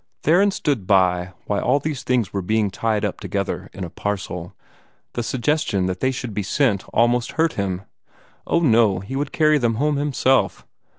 Theron stood by while all these things were being tied up together in a parcel. The suggestion that they should be sent almost hurt him. Oh, no, he would carry them home himself.